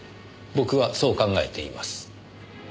僕はそう考えています。